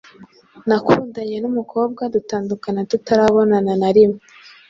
Nakundanye numukobwa dutandukana tutarabonana narimwe